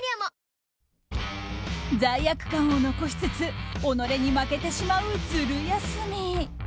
罪悪感を残しつつ己に負けてしまうズル休み。